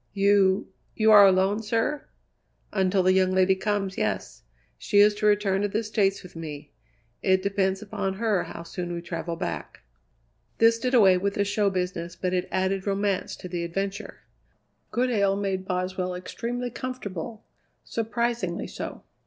"You you are alone, sir?" "Until the young lady comes, yes. She is to return to the States with me. It depends upon her how soon we travel back." This did away with the show business, but it added romance to the adventure. Goodale made Boswell extremely comfortable, surprisingly so.